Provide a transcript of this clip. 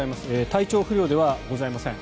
体調不良ではございません。